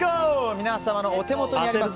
皆様のお手元にあります